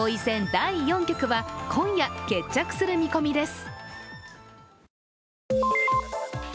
第４局は今夜、決着する見込みです。